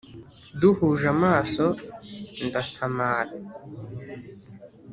Duhuje amaso ndasamara